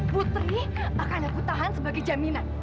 putri akan aku tahan sebagai jaminan